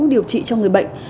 điều trị cho người bệnh